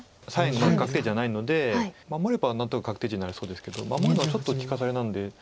まだ確定地じゃないので守れば何となく確定地になりそうですけど守りはちょっと利かされなので。